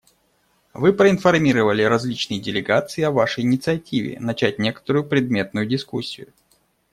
Вы проинформировали различные делегации о Вашей инициативе − начать некоторую предметную дискуссию.